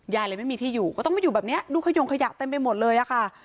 ยายเลยไม่มีที่อยู่ก็ต้องมาอยู่แบบนี้ดูขยงขยะเต็มไปหมดเลยอะค่ะ